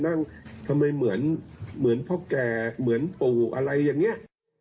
นั่งทำไมเหมือนเหมือนพ่อแก่เหมือนปู่อะไรอย่างนี้